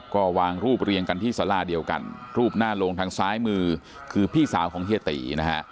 ก็วางรูปเรียงกันที่สาราเดียวกันรูปหน้าโรงทางซ้ายมือคือพี่สาวของเฮียตีนะฮะ